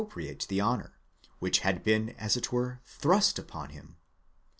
priate the honour, which had been as it were thrust upon him.